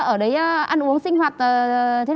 thế ở đấy ăn uống sinh hoạt thế nào